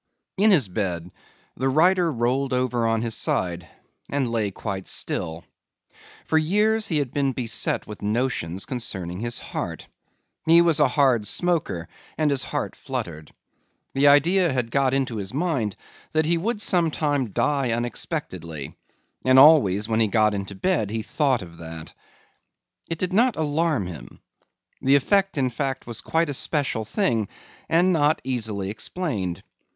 In his bed the writer rolled over on his side and lay quite still. For years he had been beset with notions concerning his heart. He was a hard smoker and his heart fluttered. The idea had got into his mind that he would some time die unexpectedly and always when he got into bed he thought of that. It did not alarm him. The effect in fact was quite a special thing and not easily explained.